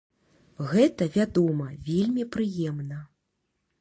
Гэта, вядома, вельмі прыемна!